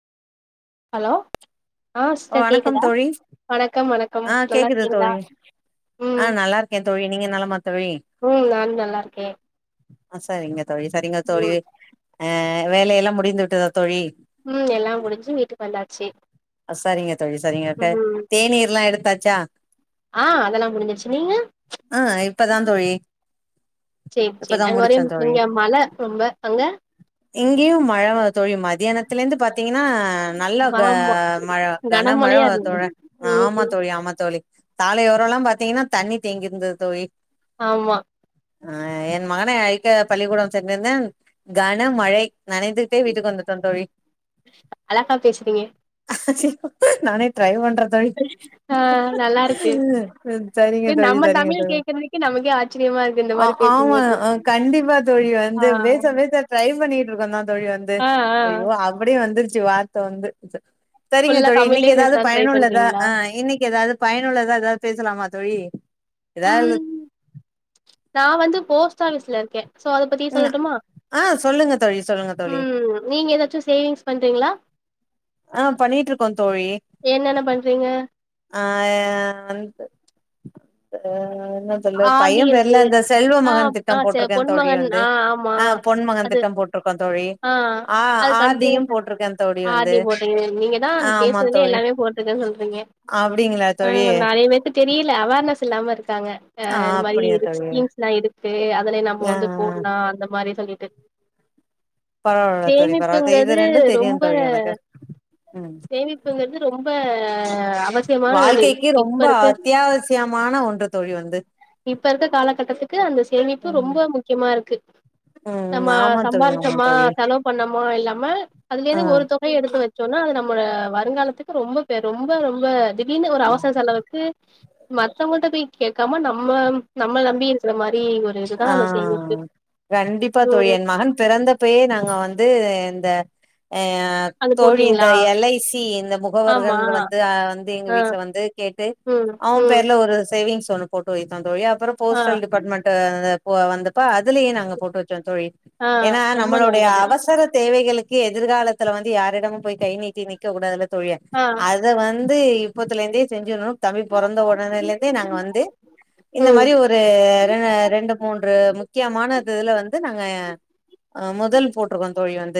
hello ஆ ஓ sister வணக்கம் கேக்குதா தோழி வணக்கம் வணக் ஆ கேக்குது தோழி ஆ ம் நல்லா இருக்கே தோழி நீங்க நலமா தோழி ம் நானு நல்லா இருக்கே ஆ செரிங்க தோழி செரிங்க தோழி ம் ஆ வேலையெல்லா முடிந்து விட்டுதா தோழி ம் எல்லா முடிஞ்சு வீட்டுக்கு வந்தாச்சு செரிங்க தோழி செரிங்க ம் தேநீர்ல்லா எடுத்தாச்சா ஆ அதெல்லா முடிஞ்சுருச்சு நீங்க ஆ இப்பதா தோழி சேர் சேரி இப்பதா அங்க ஒரே முடிச்சே இங்க மழ ரொம்ப அங்க இங்கயு மழதா தோழி மதியானத்துல இருந்து பாத்தீங்கன்னா நல்ல ஆமா மழ கனமழையா கனமழவரு தோழ இருந்தது ஆமா ம் தோழி ஆமா தோழி சாலையோர எல்லா பாத்தீங்கன்னா தண்ணி தேங்கியிருந்துது தோழி ஆமா ஆ என் மகனை அழைக்க பள்ளிக்கூடம் சென்றிருந்தேன் கனமழை நனைந்துக்ட்டே வீட்டுக்கு வந்துட்டோ தோழி அழகா பேசுறீங்க நானே ட்ரை பண் ஆ நல்லா இருக்கு செரிங்க ஏ தோழி நம்ம செரிங்க தமிழ் தோழி கேக்குறதுக்கே நமக்கே ஆச்சரியமா இருக்கு இந்த ஆ மாரி ஆமா பேசும்போது கண்டிப்பா தோழி ஆ வந்து பேச பேச ட்ரை பண்ணிட்ருக்கோ தா தோழி வந்து ஆ ஆ ஐயோ அப்டியே வந்துருச்சு வார்த்த வந்து செரிங்க ஃபுல்லா தோழி இன்னக்கி தமிழ்லயே எதாவ்து பேசலான்னு ட்ரை பயனுள்ளதா பண்றீங்களா ஆ இன்னக்கி எதாது பயனுள்ளதா எதாவ்து பேசலாமா தோழி ம் நா வந்து போஸ்ட் ஆஃபிஸ்ல இருக்கே சோ அத பத்தி ம் சொல்லட்டுமா ஆ சொல்லுங்க தோழி சொல்லுங்க தோழி ம் நீங்க எதாச்சு சேவிங்ஸ் பண்றீங்ளா ஆ பண்ணிட்ருக்கோ தோழி என்னென்ன பண்றீங்க ஆ‌ அந்த ப்ப இந்த ஆர் டி பையே இருக்கு பேர்ல இந்த செல்வ ஆ மகன் ஆ திட்டம் ச போட்டிருக்கே தோழி பொன்மகன் வந்து ஆ ஆமா ஆ பொன் மகன் அது திட்டம் போ ட்ருக்கோ தோழி ஆ அது ஆர் டி கண்டினியூ யு போட்ருக்கே தோழி ஆர் வந்து டி ஆ ஆமா தோழி இப்டிதா சொல்றீங்க அப்டிங்ளா தோழி தெரில அவர்னஸ் இல்லாம இருக்காங்க ஆ இது மாரி அப்டியா தோழி ஸ்கீம்ஸ் லா எடுத்து அதுலே நம்ம ஆ வந்து போட்லா அந்த மாரி சொல்லிட்டு பரவால்ல தோழி பரவால்ல இது சேமிப்புங்றது ரெண்டு தெரியு ரொம்ப தோழி எனக்கு ம் சேமிப்புங்றது ரொம்ப அவசியமான ஒண்ணு வாழ்க்கைக்கு இப்ப ரொம்ப இருக்க அத்யாவசியமான ஒன்று தோழி வந்து இப்பருக்க காலகட்டத்துக்கு அந்த சேமிப்பு ம் ரொம்ப முக்யமாருக்கு நம்ம ம் ஆமா தோழி ஆமா சம்பாரிச்சொமா தோழி செலவு பண்ணொமா இல்லாம ஆ அதுலேந்து ஒரு தொகய எடுத்து வச் ச்சோனா அது நம்மோட வருங்காலத்துக்கு ரொம்ப பே ரொம்ப ரொம்ப திடீர்னு ஒரு அவசர செலவுக்கு மத்தவங்ட்ட போய் கேக்காம நம்ம நம்ல நம்பி இருக்ற மாரி ஒரு இதுதா ஆ அந்த சேமிப்பு கண்டிப்பா தோழி ம் என் மகன் பிறந்த பே நாங்க வந்து இந்த ஆ அது தோழி இந்த போட்டீங்களா எல் ஐ சி இந்த ஆமா முகவர்கள்ங்க வந்து வந்து எங்க ஆ வீட்ல வந்து கேட்டு ம் அவன் ம் பேர்ல ஒரு சேவிங்ஸ் ஒண்ணு போட்டு வைத்தோ தோழி அப்றோ ஆ போஸ்டல் டிபார்ட்மெண்ட் வந்து போ வந்து ப்ப அதுலயு நாங்க போட்டு வச்சோ தோழி ஆ ஏனா ரொம்ப நம்மளுடைய நல்லது அவசர தேவைகளு க்கி எதிர்காலத்துல வந்து யாரிடமு போய் கை நீட்டி நிக்க கூடாதுல தோழிஅது ஆ அத வந்து இப்பத்துலேந்தே செஞ்சுர்ணு தம்பி பொறந்த ஒடனேலேந்தே நாங்க வந்து இந்த ம் மாரி ஒரு ஆ ரெண்டு மூன்று முக்கியமானது இதுல வந்து நாங்க முதல் போட்ருக்கோ தோழி வந்து